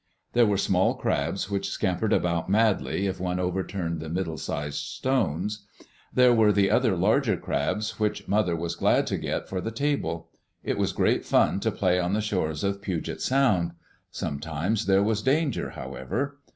There were small crabs which scampered about madly if one overturned the middle sized stones. There were the other larger crabs which mother was glad to get for the table. It was great fun to play on the shores of Puget Sound. Sometimes there was danger, however.